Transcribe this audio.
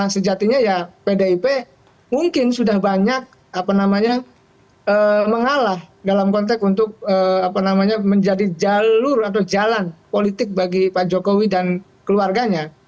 sejatinya ya pdip mungkin sudah banyak mengalah dalam konteks untuk menjadi jalur atau jalan politik bagi pak jokowi dan keluarganya